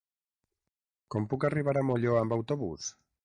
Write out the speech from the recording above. Com puc arribar a Molló amb autobús?